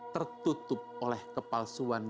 tertutup oleh kepalsuan kita